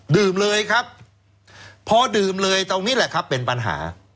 เลยครับพอดื่มเลยตรงนี้แหละครับเป็นปัญหา